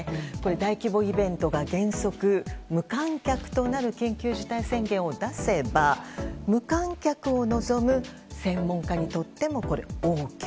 大規模イベントが原則、無観客となる緊急事態宣言を出せば無観客を望む専門家にとってもＯＫ。